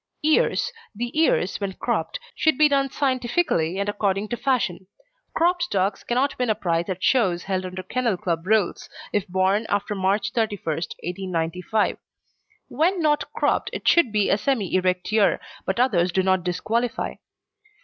EARS The ears, when cropped, should be done scientifically and according to fashion. Cropped dogs cannot win a prize at shows held under Kennel Club rules, if born after March 31st, 1895. When not cropped, it should be a semi erect ear, but others do not disqualify.